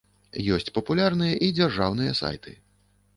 Ёсць папулярныя і дзяржаўныя сайты.